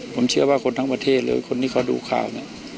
ผมเชื่อว่าคนทั้งประเทศเลยคนที่เขาดูข่าวเนี่ย